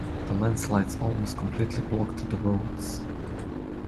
The landslides almost completely blocked the roads.